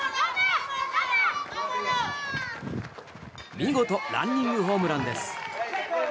見事ランニングホームランです。